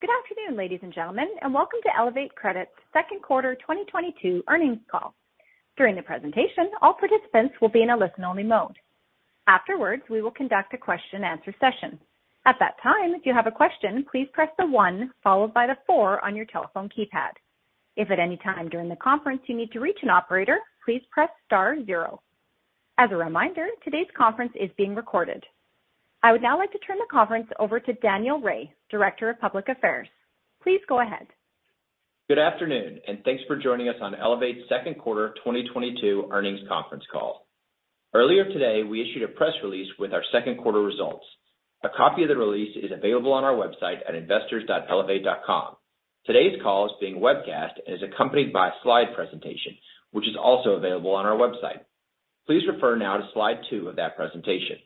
Good afternoon, ladies and gentlemen, and welcome to Elevate Credit's Q2 2022 earnings call. During the presentation, all participants will be in a listen-only mode. Afterwards, we will conduct a question and answer session. At that time, if you have a question, please press the 1 followed by the 4 on your telephone keypad. If at any time during the conference you need to reach an operator, please press star 0. As a reminder, today's conference is being recorded. I would now like to turn the conference over to Daniel Rhea, Director of Public Affairs. Please go ahead. Good afternoon, and thanks for joining us on Elevate's Q2 2022 earnings conference call. Earlier today, we issued a press release with our Q2 results. A copy of the release is available on our website at investors.elevate.com. Today's call is being webcast and is accompanied by a slide presentation, which is also available on our website. Please refer now to slide 2 of that presentation.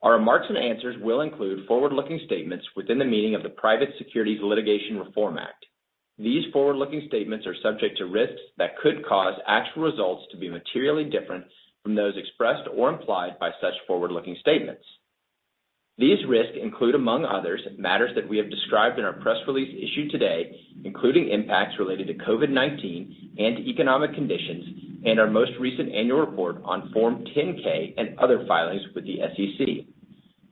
Our remarks and answers will include forward-looking statements within the meaning of the Private Securities Litigation Reform Act. These forward-looking statements are subject to risks that could cause actual results to be materially different from those expressed or implied by such forward-looking statements. These risks include, among others, matters that we have described in our press release issued today, including impacts related to COVID-19 and economic conditions, and our most recent annual report on Form 10-K and other filings with the SEC.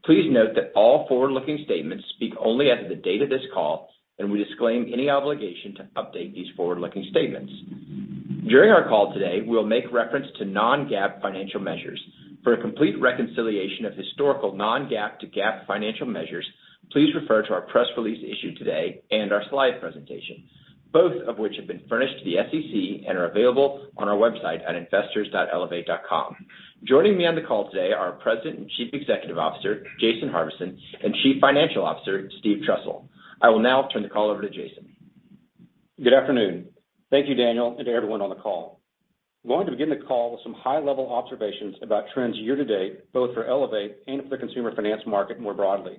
Please note that all forward-looking statements speak only as of the date of this call, and we disclaim any obligation to update these forward-looking statements. During our call today, we'll make reference to non-GAAP financial measures. For a complete reconciliation of historical non-GAAP to GAAP financial measures, please refer to our press release issued today and our slide presentation, both of which have been furnished to the SEC and are available on our website at investors.elevate.com. Joining me on the call today are President and Chief Executive Officer, Jason Harvison, and Chief Financial Officer, Steve Trussell. I will now turn the call over to Jason. Good afternoon. Thank you, Daniel, and to everyone on the call. I'm going to begin the call with some high-level observations about trends year-to-date, both for Elevate and for the consumer finance market more broadly.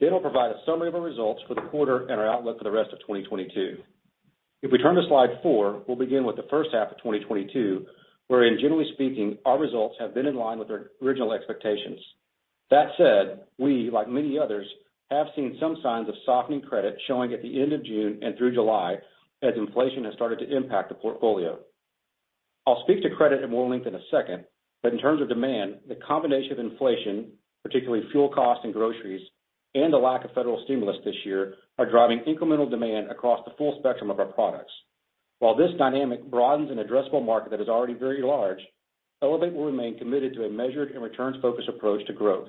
I'll provide a summary of our results for the quarter and our outlook for the rest of 2022. If we turn to slide 4, we'll begin with the first half of 2022, wherein generally speaking, our results have been in line with our original expectations. That said, we, like many others, have seen some signs of softening credit showing at the end of June and through July as inflation has started to impact the portfolio. I'll speak to credit at more length in a second, but in terms of demand, the combination of inflation, particularly fuel costs and groceries, and the lack of federal stimulus this year are driving incremental demand across the full spectrum of our products. While this dynamic broadens an addressable market that is already very large, Elevate will remain committed to a measured and returns-focused approach to growth.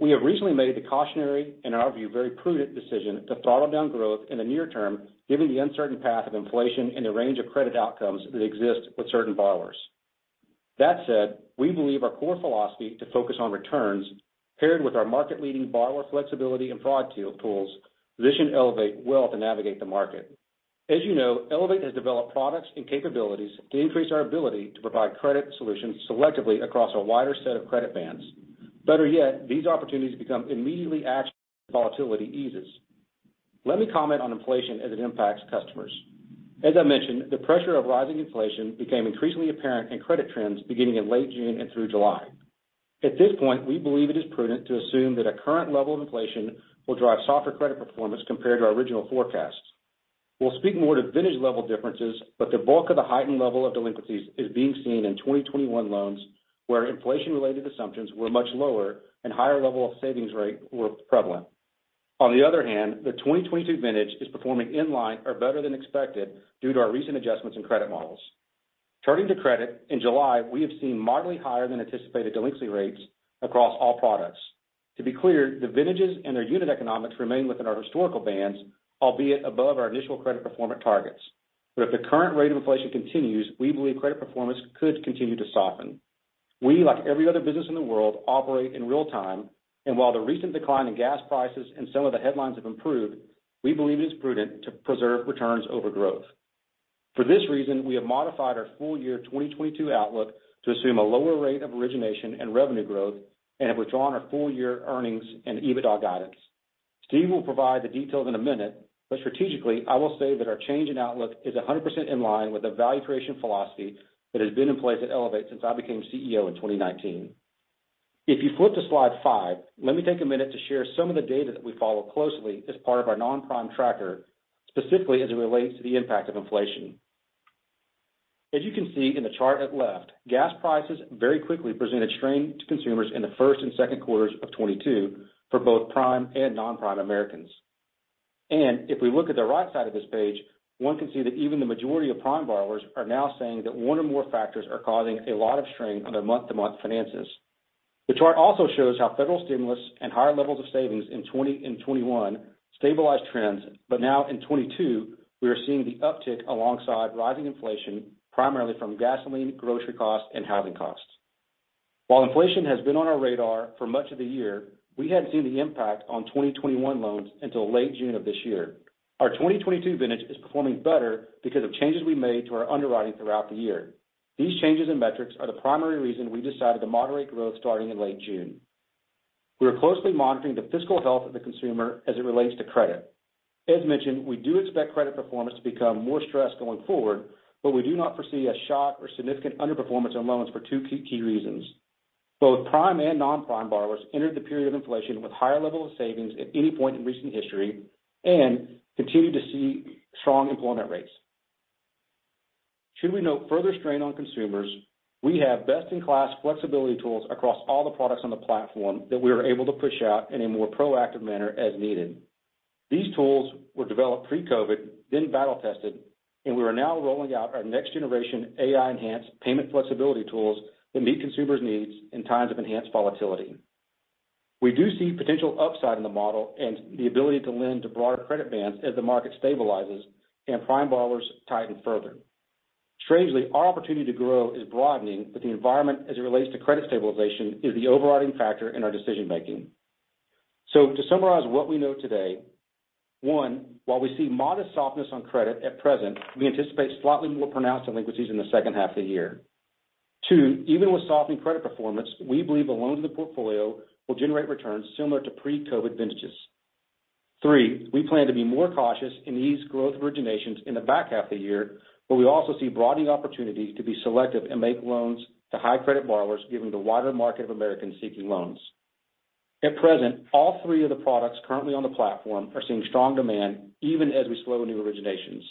We have recently made the cautionary and, in our view, very prudent decision to throttle down growth in the near term, given the uncertain path of inflation and the range of credit outcomes that exist with certain borrowers. That said, we believe our core philosophy to focus on returns paired with our market-leading borrower flexibility and fraud tools position Elevate well to navigate the market. As you know, Elevate has developed products and capabilities to increase our ability to provide credit solutions selectively across a wider set of credit bands. Better yet, these opportunities become immediately actionable as volatility eases. Let me comment on inflation as it impacts customers. As I mentioned, the pressure of rising inflation became increasingly apparent in credit trends beginning in late June and through July. At this point, we believe it is prudent to assume that a current level of inflation will drive softer credit performance compared to our original forecasts. We'll speak more to vintage-level differences, but the bulk of the heightened level of delinquencies is being seen in 2021 loans where inflation-related assumptions were much lower and higher level of savings rate were prevalent. On the other hand, the 2022 vintage is performing in line or better than expected due to our recent adjustments in credit models. Turning to credit, in July, we have seen moderately higher than anticipated delinquency rates across all products. To be clear, the vintages and their unit economics remain within our historical bands, albeit above our initial credit performance targets. If the current rate of inflation continues, we believe credit performance could continue to soften. We, like every other business in the world, operate in real time, and while the recent decline in gas prices and some of the headlines have improved, we believe it is prudent to preserve returns over growth. For this reason, we have modified our full year 2022 outlook to assume a lower rate of origination and revenue growth and have withdrawn our full year earnings and EBITDA guidance. Steve will provide the details in a minute, but strategically, I will say that our change in outlook is 100% in line with the value creation philosophy that has been in place at Elevate since I became CEO in 2019. If you flip to slide 5, let me take a minute to share some of the data that we follow closely as part of our non-prime tracker, specifically as it relates to the impact of inflation. As you can see in the chart at left, gas prices very quickly presented strain to consumers in the first and Q2s of 2022 for both prime and non-prime Americans. If we look at the right side of this page, one can see that even the majority of prime borrowers are now saying that one or more factors are causing a lot of strain on their month-to-month finances. The chart also shows how federal stimulus and higher levels of savings in 2020 and 2021 stabilized trends. Now in 2022, we are seeing the uptick alongside rising inflation, primarily from gasoline, grocery costs, and housing costs. While inflation has been on our radar for much of the year, we hadn't seen the impact on 2021 loans until late June of this year. Our 2022 vintage is performing better because of changes we made to our underwriting throughout the year. These changes in metrics are the primary reason we decided to moderate growth starting in late June. We are closely monitoring the fiscal health of the consumer as it relates to credit. As mentioned, we do expect credit performance to become more stressed going forward, but we do not foresee a shock or significant underperformance on loans for two key reasons. Both prime and non-prime borrowers entered the period of inflation with higher levels of savings at any point in recent history and continue to see strong employment rates. Should we note further strain on consumers, we have best-in-class flexibility tools across all the products on the platform that we are able to push out in a more proactive manner as needed. These tools were developed pre-COVID, then battle-tested, and we are now rolling out our next-generation AI-enhanced payment flexibility tools that meet consumers' needs in times of enhanced volatility. We do see potential upside in the model and the ability to lend to broader credit bands as the market stabilizes and prime borrowers tighten further. Strangely, our opportunity to grow is broadening, but the environment as it relates to credit stabilization is the overriding factor in our decision-making. To summarize what we know today, 1, while we see modest softness on credit at present, we anticipate slightly more pronounced delinquencies in the second half of the year. 2, even with softening credit performance, we believe the loans in the portfolio will generate returns similar to pre-COVID vintages. 3, we plan to be more cautious in these growth originations in the back half of the year, but we also see broadening opportunity to be selective and make loans to high-credit borrowers given the wider market of Americans seeking loans. At present, all 3 of the products currently on the platform are seeing strong demand even as we slow new originations.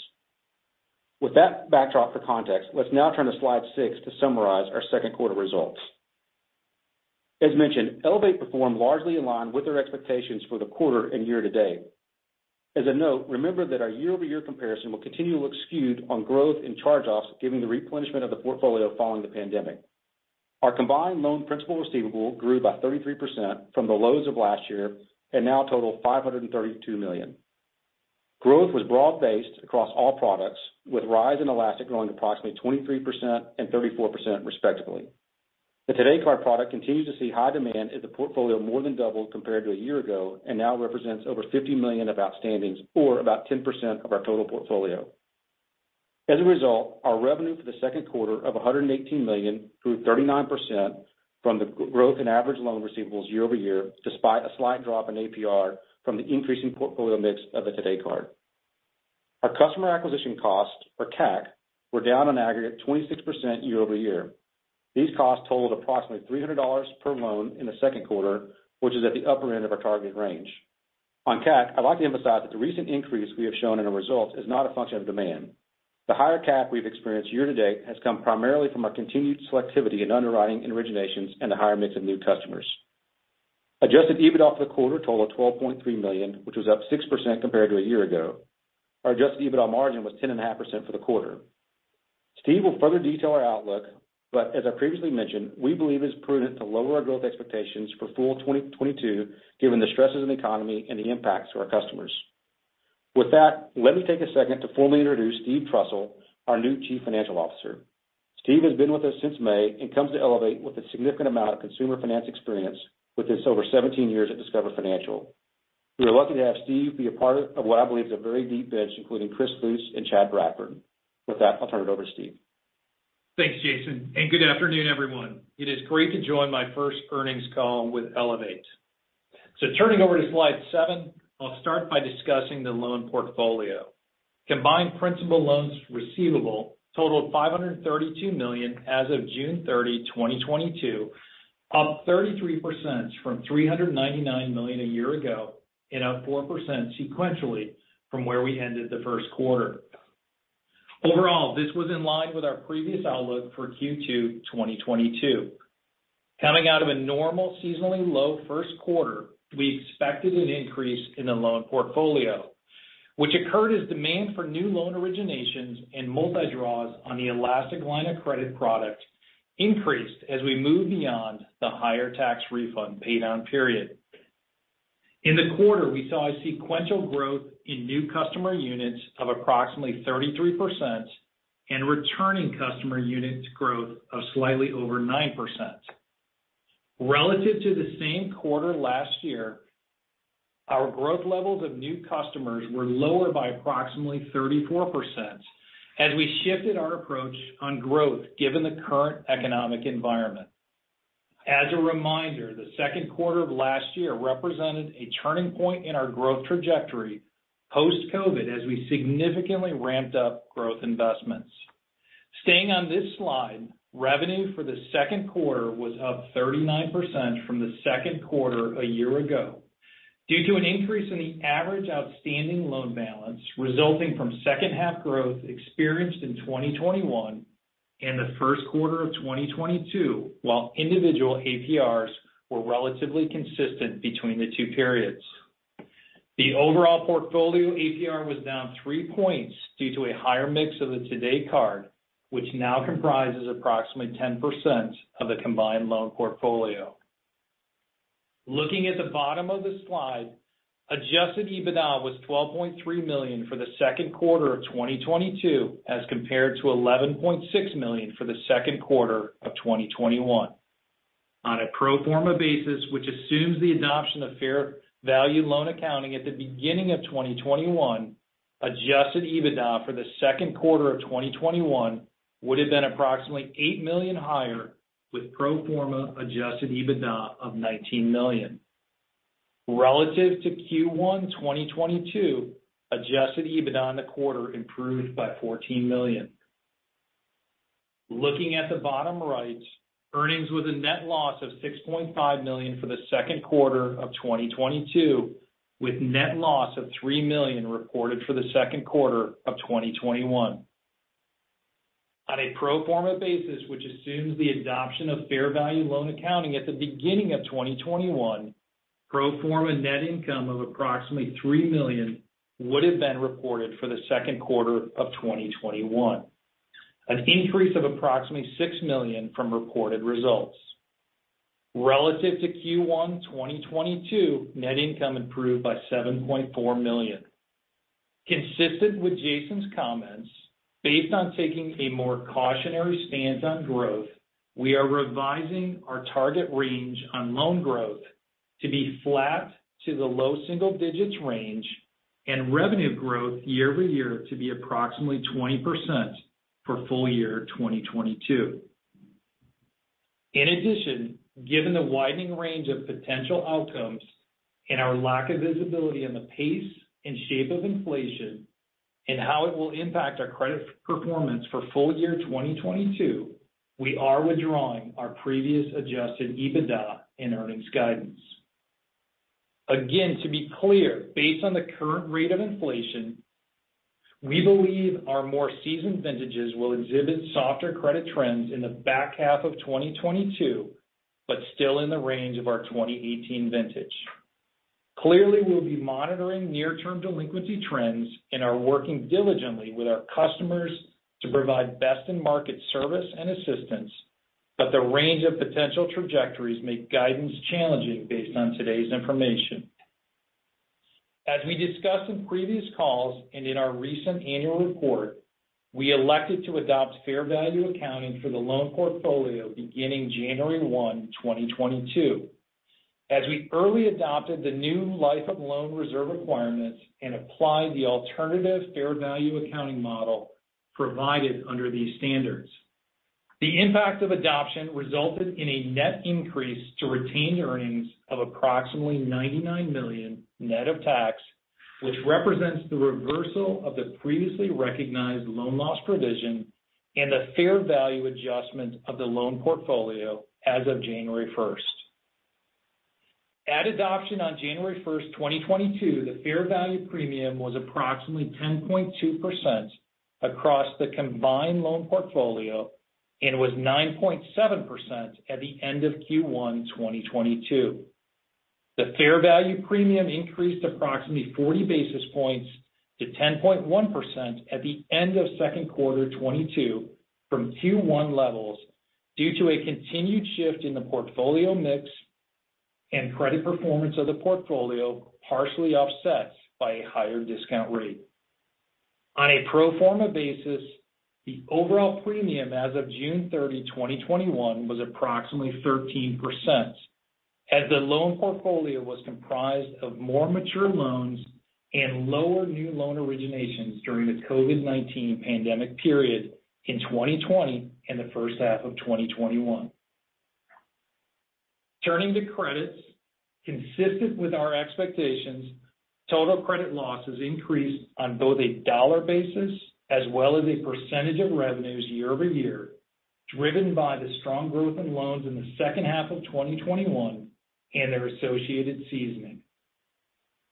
With that backdrop for context, let's now turn to slide 6 to summarize our Q2 results. As mentioned, Elevate performed largely in line with their expectations for the quarter and year to date. As a note, remember that our year-over-year comparison will continually skew on growth in charge-offs given the replenishment of the portfolio following the pandemic. Our combined loan principal receivables grew by 33% from the lows of last year and now totals $532 million. Growth was broad-based across all products, with RISE and Elastic growing approximately 23% and 34% respectively. The Today Card product continues to see high demand as the portfolio more than doubled compared to a year ago and now represents over $50 million of outstandings or about 10% of our total portfolio. As a result, our revenue for the Q2 of $118 million grew 39% from the growth in average loan receivables year-over-year, despite a slight drop in APR from the increasing portfolio mix of the Today Card. Our customer acquisition costs, or CAC, were down on aggregate 26% year-over-year. These costs totaled approximately $300 per loan in the Q2, which is at the upper end of our target range. On CAC, I'd like to emphasize that the recent increase we have shown in our results is not a function of demand. The higher CAC we've experienced year-to-date has come primarily from our continued selectivity in underwriting and originations and the higher mix of new customers. Adjusted EBITDA for the quarter totaled $12.3 million, which was up 6% compared to a year ago. Our adjusted EBITDA margin was 10.5% for the quarter. Steve will further detail our outlook, but as I previously mentioned, we believe it's prudent to lower our growth expectations for full 2022, given the stresses in the economy and the impacts to our customers. With that, let me take a second to formally introduce Steve Trussell, our new Chief Financial Officer. Steve has been with us since May and comes to Elevate with a significant amount of consumer finance experience with his over 17 years at Discover Financial Services. We are lucky to have Steve be a part of what I believe is a very deep bench, including Chris Lutes and Chad Bradford. With that, I'll turn it over to Steve. Thanks, Jason, and good afternoon, everyone. It is great to join my first earnings call with Elevate. Turning over to slide 7, I'll start by discussing the loan portfolio. Combined principal loans receivable totaled $532 million as of June 30, 2022, up 33% from $399 million a year ago and up 4% sequentially from where we ended the Q1. Overall, this was in line with our previous outlook for Q2 2022. Coming out of a normal seasonally low Q1, we expected an increase in the loan portfolio, which occurred as demand for new loan originations and multi-draws on the Elastic line of credit product increased as we moved beyond the higher tax refund pay-down period. In the quarter, we saw a sequential growth in new customer units of approximately 33% and returning customer units growth of slightly over 9%. Relative to the same quarter last year, our growth levels of new customers were lower by approximately 34% as we shifted our approach on growth given the current economic environment. As a reminder, the Q2 of last year represented a turning point in our growth trajectory post-COVID, as we significantly ramped up growth investments. Staying on this slide, revenue for the Q2 was up 39% from the Q2 a year ago due to an increase in the average outstanding loan balance resulting from second half growth experienced in 2021 and the Q1 of 2022, while individual APRs were relatively consistent between the two periods. The overall portfolio APR was down 3 points due to a higher mix of the Today Card, which now comprises approximately 10% of the combined loan portfolio. Looking at the bottom of the slide, Adjusted EBITDA was $12.3 million for the Q2 of 2022 as compared to $11.6 million for the Q2 of 2021. On a pro forma basis, which assumes the adoption of fair value loan accounting at the beginning of 2021. Adjusted EBITDA for the Q2 of 2021 would have been approximately $8 million higher with pro forma Adjusted EBITDA of $19 million. Relative to Q1 2022, Adjusted EBITDA in the quarter improved by $14 million. Looking at the bottom right, earnings with a net loss of $6.5 million for the Q2 of 2022, with net loss of $3 million reported for the Q2 of 2021. On a pro forma basis, which assumes the adoption of fair value loan accounting at the beginning of 2021, pro forma net income of approximately $3 million would have been reported for the Q2 of 2021, an increase of approximately $6 million from reported results. Relative to Q1 2022, net income improved by $7.4 million. Consistent with Jason's comments, based on taking a more cautionary stance on growth, we are revising our target range on loan growth to be flat to the low single digits range and revenue growth year-over-year to be approximately 20% for full year 2022. In addition, given the widening range of potential outcomes and our lack of visibility on the pace and shape of inflation and how it will impact our credit performance for full year 2022, we are withdrawing our previous adjusted EBITDA and earnings guidance. Again, to be clear, based on the current rate of inflation, we believe our more seasoned vintages will exhibit softer credit trends in the back half of 2022, but still in the range of our 2018 vintage. Clearly, we'll be monitoring near term delinquency trends and are working diligently with our customers to provide best in market service and assistance, but the range of potential trajectories make guidance challenging based on today's information. As we discussed in previous calls and in our recent annual report, we elected to adopt fair value accounting for the loan portfolio beginning January 1, 2022. As we early adopted the new life of loan reserve requirements and applied the alternative fair value accounting model provided under these standards. The impact of adoption resulted in a net increase to retained earnings of approximately $99 million net of tax, which represents the reversal of the previously recognized loan loss provision and a fair value adjustment of the loan portfolio as of January 1. At adoption on January 1, 2022, the fair value premium was approximately 10.2% across the combined loan portfolio and was 9.7% at the end of Q1 2022. The fair value premium increased approximately 40 basis points to 10.1% at the end of Q2 2022 from Q1 levels due to a continued shift in the portfolio mix and credit performance of the portfolio, partially offset by a higher discount rate. On a pro forma basis, the overall premium as of June 30, 2021 was approximately 13%, as the loan portfolio was comprised of more mature loans and lower new loan originations during the COVID-19 pandemic period in 2020 and the first half of 2021. Turning to credit. Consistent with our expectations, total credit losses increased on both a dollar basis as well as a percentage of revenues year-over-year, driven by the strong growth in loans in the second half of 2021 and their associated seasoning.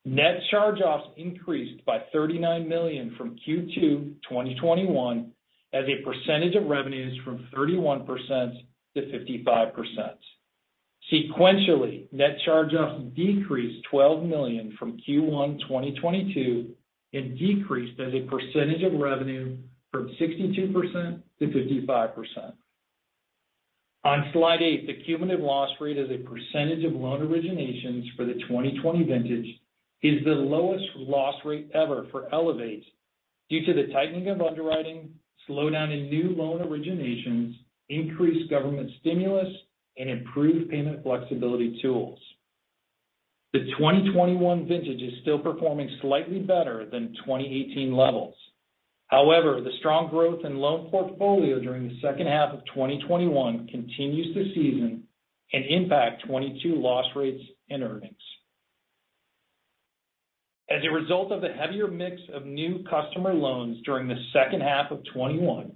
Net charge-offs increased by $39 million from Q2 2021 as a percentage of revenues from 31% to 55%. Sequentially, net charge-offs decreased $12 million from Q1 2022 and decreased as a percentage of revenue from 62% to 55%. On slide eight, the cumulative loss rate as a percentage of loan originations for the 2020 vintage is the lowest loss rate ever for Elevate due to the tightening of underwriting, slowdown in new loan originations, increased government stimulus, and improved payment flexibility tools. The 2021 vintage is still performing slightly better than 2018 levels. However, the strong growth in loan portfolio during the second half of 2021 continues to season and impact 2022 loss rates and earnings. As a result of the heavier mix of new customer loans during the second half of 2021,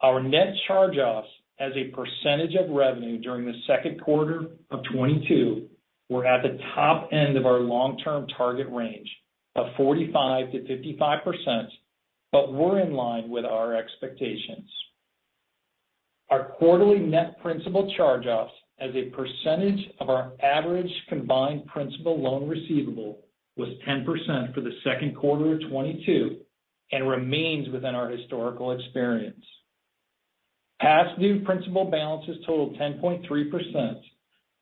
our net charge-offs as a percentage of revenue during the Q2 of 2022 were at the top end of our long-term target range of 45%-55%, but were in line with our expectations. Our quarterly net principal charge-offs as a percentage of our average combined principal loan receivable was 10% for the Q2 of 2022 and remains within our historical experience. Past due principal balances totaled 10.3%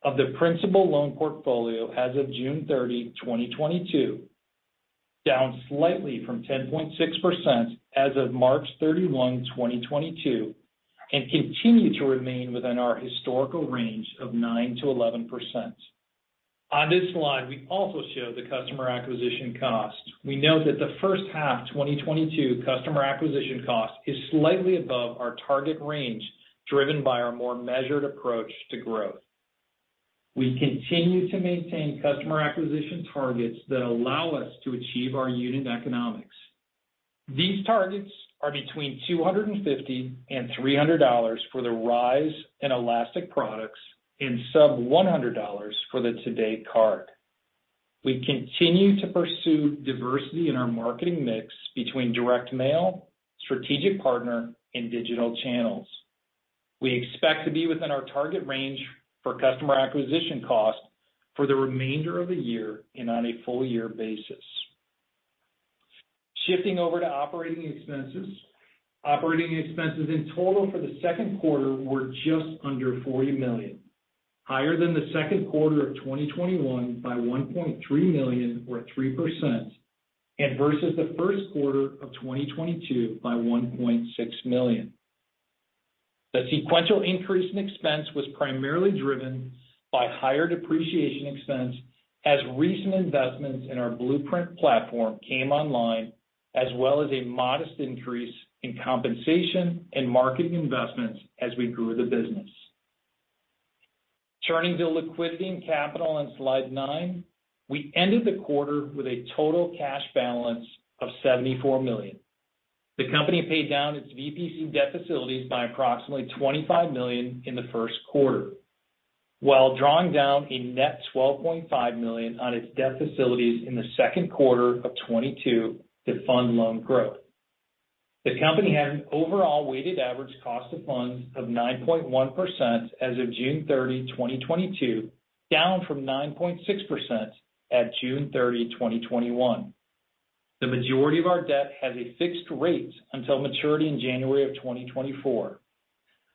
of the principal loan portfolio as of June 30, 2022, down slightly from 10.6% as of March 31, 2022, and continue to remain within our historical range of 9%-11%. On this slide, we also show the customer acquisition cost. We know that the first half 2022 customer acquisition cost is slightly above our target range, driven by our more measured approach to growth. We continue to maintain customer acquisition targets that allow us to achieve our unit economics. These targets are between $250 and $300 for the RISE and Elastic products, and sub-$100 for the Today Card. We continue to pursue diversity in our marketing mix between direct mail, strategic partner, and digital channels. We expect to be within our target range for customer acquisition cost for the remainder of the year and on a full-year basis. Shifting over to operating expenses. Operating expenses in total for the Q2 were just under $40 million, higher than the Q2 of 2021 by $1.3 million or 3%, and versus the Q1 of 2022 by $1.6 million. The sequential increase in expense was primarily driven by higher depreciation expense as recent investments in our Blueprint platform came online, as well as a modest increase in compensation and marketing investments as we grew the business. Turning to liquidity and capital on slide nine. We ended the quarter with a total cash balance of $74 million. The company paid down its VPC debt facilities by approximately $25 million in the Q1, while drawing down a net $12.5 million on its debt facilities in the Q2 of 2022 to fund loan growth. The company had an overall weighted average cost of funds of 9.1% as of June 30, 2022, down from 9.6% at June 30, 2021. The majority of our debt has a fixed rate until maturity in January of 2024.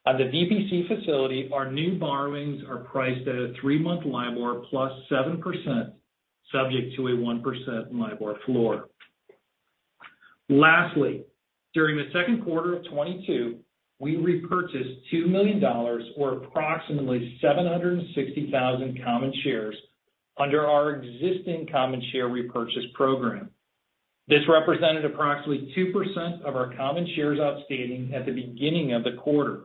On the VPC facility, our new borrowings are priced at a three-month LIBOR plus 7%, subject to a 1% LIBOR floor. Lastly, during the Q2 of 2022, we repurchased $2 million or approximately 760,000 common shares under our existing common share repurchase program. This represented approximately 2% of our common shares outstanding at the beginning of the quarter.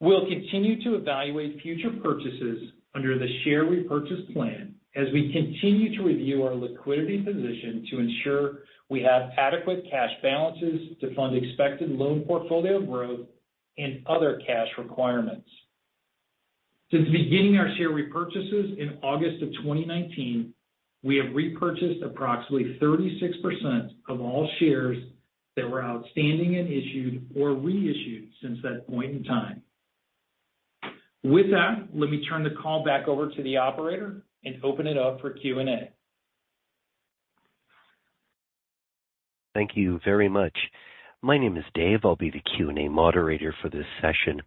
We'll continue to evaluate future purchases under the share repurchase plan as we continue to review our liquidity position to ensure we have adequate cash balances to fund expected loan portfolio growth and other cash requirements. Since beginning our share repurchases in August of 2019, we have repurchased approximately 36% of all shares that were outstanding and issued or reissued since that point in time. With that, let me turn the call back over to the operator and open it up for Q&A. Thank you very much. My name is Dave. I'll be the Q&A moderator for this session.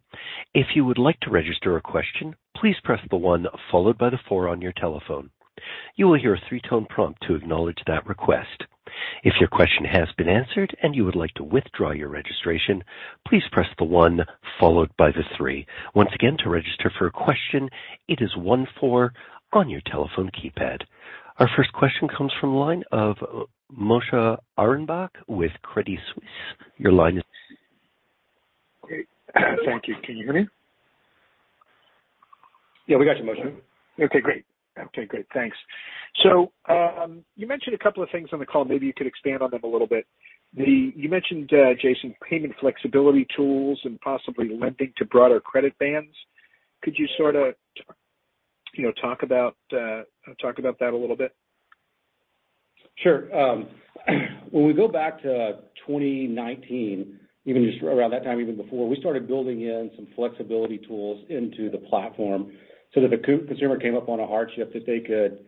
If you would like to register a question, please press the one followed by the four on your telephone. You will hear a three-tone prompt to acknowledge that request. If your question has been answered and you would like to withdraw your registration, please press the one followed by the three. Once again, to register for a question, it is one-four on your telephone keypad. Our first question comes from the line of Moshe Orenbuch with Credit Suisse. Your line is open. Great. Thank you. Can you hear me? Yeah, we got you, Moshe. Okay, great. Thanks. You mentioned a couple of things on the call. Maybe you could expand on them a little bit. You mentioned, Jason, payment flexibility tools and possibly lending to broader credit bands. Could you sorta, you know, talk about that a little bit? Sure. When we go back to 2019, even just around that time, even before, we started building in some flexibility tools into the platform so that if a consumer came up on a hardship that they could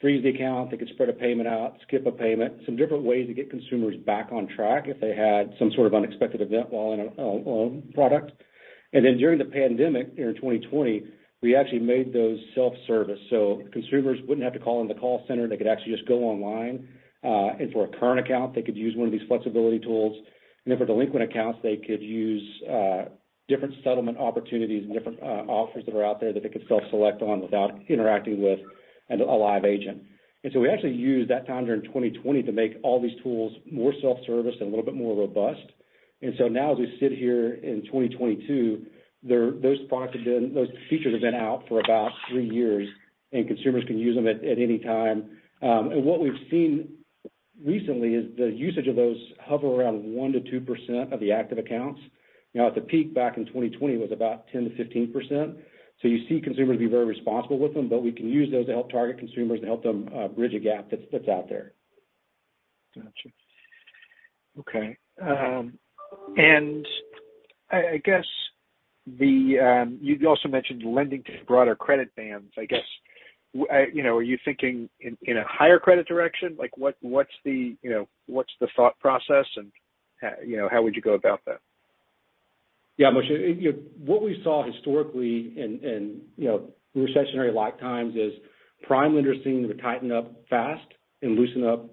freeze the account, they could spread a payment out, skip a payment, some different ways to get consumers back on track if they had some sort of unexpected event while in a loan product. During the pandemic in 2020, we actually made those self-service. Consumers wouldn't have to call in the call center. They could actually just go online, and for a current account, they could use one of these flexibility tools. For delinquent accounts, they could use different settlement opportunities and different offers that are out there that they could self-select on without interacting with a live agent. We actually used that time during 2020 to make all these tools more self-service and a little bit more robust. Now as we sit here in 2022, those features have been out for about three years, and consumers can use them at any time. What we've seen recently is the usage of those hover around 1%-2% of the active accounts. At the peak back in 2020, it was about 10%-15%. You see consumers be very responsible with them, but we can use those to help target consumers to help them bridge a gap that's out there. Gotcha. Okay. I guess. You also mentioned lending to broader credit bands. I guess, you know, are you thinking in a higher credit direction? Like what? You know, what's the thought process and you know, how would you go about that? Yeah, Moshe, what we saw historically in you know recessionary like times is prime lenders seem to tighten up fast and loosen up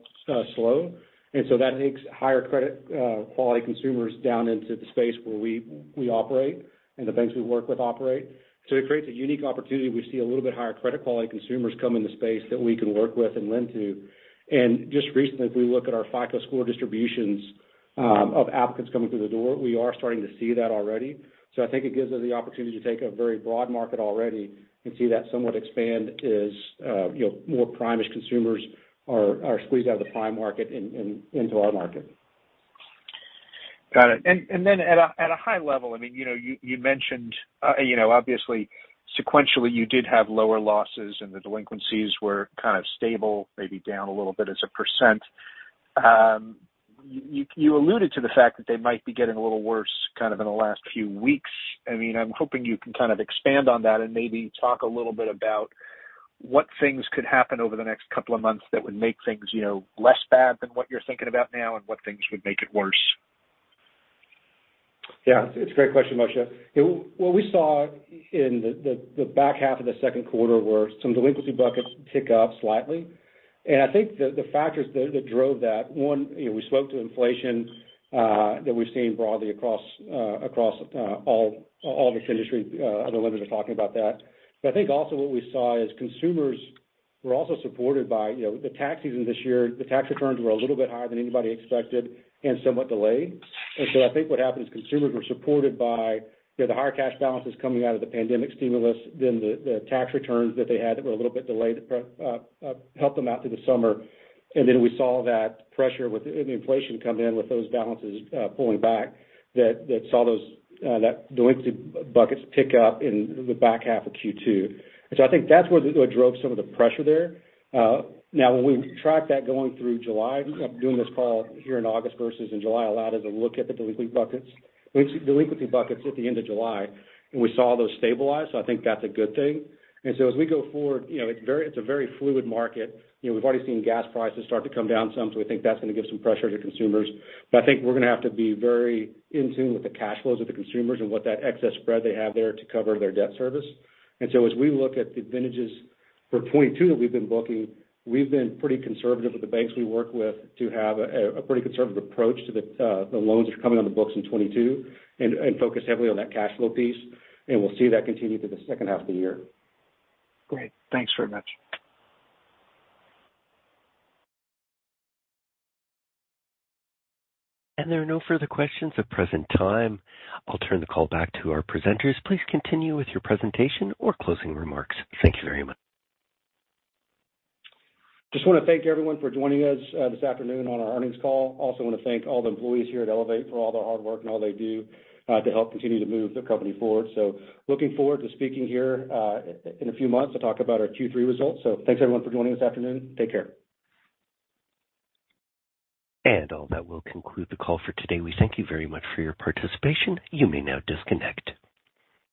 slow. That takes higher credit quality consumers down into the space where we operate and the banks we work with operate. It creates a unique opportunity. We see a little bit higher credit quality consumers come in the space that we can work with and lend to. Just recently, if we look at our FICO score distributions of applicants coming through the door, we are starting to see that already. I think it gives us the opportunity to take a very broad market already and see that somewhat expand as you know more prime-ish consumers are squeezed out of the prime market into our market. Got it. Then at a high level, I mean, you mentioned obviously sequentially you did have lower losses and the delinquencies were kind of stable, maybe down a little bit as a percent. You alluded to the fact that they might be getting a little worse kind of in the last few weeks. I'm hoping you can kind of expand on that and maybe talk a little bit about what things could happen over the next couple of months that would make things less bad than what you're thinking about now and what things would make it worse. Yeah, it's a great question, Moshe. What we saw in the back half of the Q2 were some delinquency buckets tick up slightly. I think the factors that drove that, one, you know, we spoke to inflation that we've seen broadly across all the industry. Other lenders are talking about that. I think also what we saw is consumers were also supported by, you know, the tax season this year. The tax returns were a little bit higher than anybody expected and somewhat delayed. I think what happened is consumers were supported by, you know, the higher cash balances coming out of the pandemic stimulus, then the tax returns that they had that were a little bit delayed helped them out through the summer. Then we saw that pressure with inflation come in with those balances pulling back that saw those delinquency buckets tick up in the back half of Q2. I think that's what drove some of the pressure there. Now when we track that going through July, doing this call here in August versus in July allowed us to look at the delinquency buckets. We've seen delinquency buckets at the end of July, and we saw those stabilize. I think that's a good thing. As we go forward, you know, it's a very fluid market. You know, we've already seen gas prices start to come down some, so we think that's gonna give some pressure to consumers. I think we're gonna have to be very in tune with the cash flows of the consumers and what that excess spread they have there to cover their debt service. As we look at the vintages for 2022 that we've been booking, we've been pretty conservative with the banks we work with to have a pretty conservative approach to the loans that are coming on the books in 2022 and focus heavily on that cash flow piece. We'll see that continue through the second half of the year. Great. Thanks very much. There are no further questions at present time. I'll turn the call back to our presenters. Please continue with your presentation or closing remarks. Thank you very much. Just wanna thank everyone for joining us, this afternoon on our earnings call. Also wanna thank all the employees here at Elevate for all their hard work and all they do, to help continue to move the company forward. Looking forward to speaking here, in a few months to talk about our Q3 results. Thanks everyone for joining this afternoon. Take care. All that will conclude the call for today. We thank you very much for your participation. You may now disconnect.